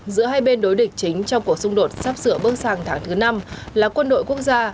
giữa hai bên đối địch chính trong cuộc xung đột sắp sửa bước sang tháng thứ năm là quân đội quốc gia